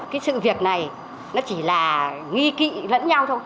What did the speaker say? cái sự việc này nó chỉ là nghi kỵ lẫn nhau thôi